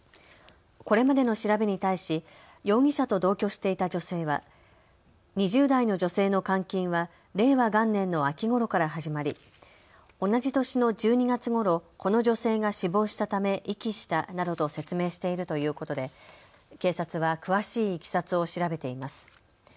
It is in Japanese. これまでの調べに対し容疑者と同居していた女性は２０代の女性の監禁は令和元年の秋ごろから始まり同じ年の１２月ごろ、この女性が死亡したため遺棄したなどと説明しているということで警察は詳しいいきさつを調べています。